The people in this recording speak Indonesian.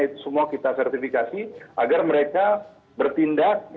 itu semua kita sertifikasi agar mereka bertindak dalam perjalanan